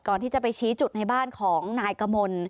ก่อนที่จะไปชี้จุดในบ้านของนายกมล